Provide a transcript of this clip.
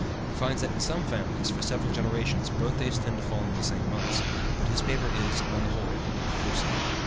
He finds that in some families, for several generations, birthdays tend to fall in the same months, but his paper is, on the whole, inconclusive.